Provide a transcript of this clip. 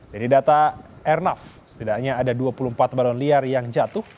dari data airnav setidaknya ada dua puluh empat badan liar yang jatuh